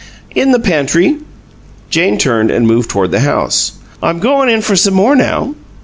"In the pantry." Jane turned and moved toward the house. "I'm goin' in for some more, now."